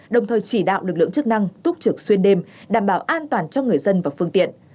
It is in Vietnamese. đồng thời chỉ đạo lực lượng chức năng túc trực xuyên đêm đảm bảo an toàn cho người dân và phương tiện